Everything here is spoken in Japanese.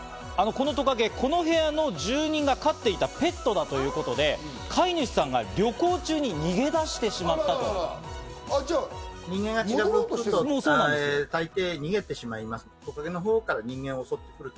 このトカゲ、この部屋の住人が飼っていたペットだということで、飼い主さんが旅行中に逃げ出じゃあ、戻ろうとしてた。